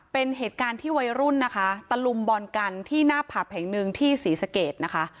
เป็นเหตุการณ์ที่วัยรุ่นนะคะตะลุมบอลกันที่หน้าผับแห่งหนึ่งที่ศรีสะเกดนะคะ